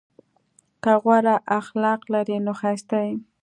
که غوره اخلاق لرې نو ښایسته یې!